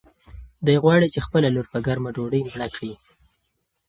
دی غواړي چې خپله لور په ګرمه ډوډۍ مړه کړي.